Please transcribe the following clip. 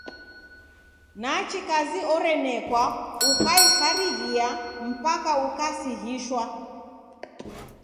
Nachi kazi orenekwa ukaisarighia mpaka ukasighishwa.